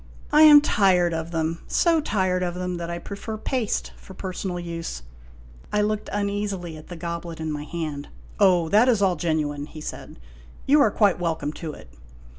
I am tired of them so tired of them that I prefer paste for personal use." I looked uneasily at the goblet in my hand. " Oh, that is all genuine," he said. " You are quite welcome to it.